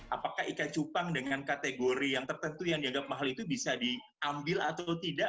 apakah ikan cupang dengan kategori yang tertentu yang dianggap mahal itu bisa diambil atau tidak